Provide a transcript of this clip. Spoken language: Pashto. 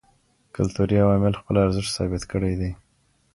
کلتوري عواملو خپل ارزښت ثابت کړی دی.